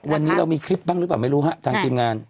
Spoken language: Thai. วันนี้เรามีคลิปบ้างหรือเปล่าไม่รู้ฮะทางทีมงาน